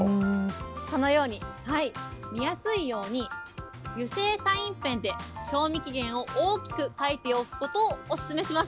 このように見やすいように、油性サインペンで賞味期限を大きく書いておくことをお勧めします。